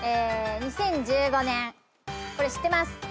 ２０１５年これ知ってます。